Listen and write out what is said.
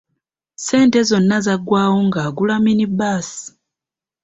Ssente zonna zaggwawo ng'agula mini-baasi.